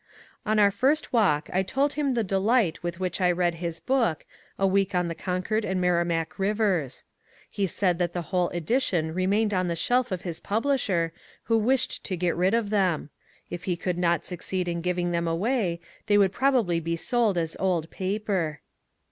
On our first walk I told him the delight with which I read his book, " A "Week on the Concord and Merrimack Rivers." He said that the whole edition remained on the shelf of his publisher, who wished to get rid of them. If he could not succeed in giving them away they would probably be sold as old paper.